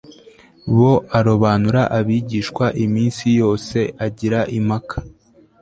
bo arobanura abigishwa iminsi yose agira impaka